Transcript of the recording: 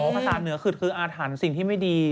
พระศาลเหนือขึดคืออาถรรป์ที่ไม่ดี